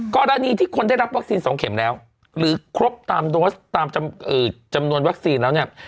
กรณีที่คนได้รับวัคซีน๒เข็มแล้วหรือครบตามโดสตามจำนวนวัคซีนแล้วเนี่ย